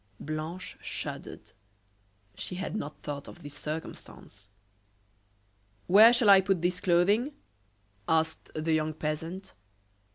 Blanche shuddered. She had not thought of this circumstance. "Where shall I put this clothing?" asked the young peasant.